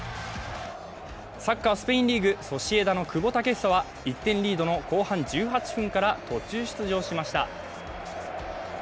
サッカー、スペインリーグ、ソシエダの久保建英は１点リードの後半１８分から途中出場しました。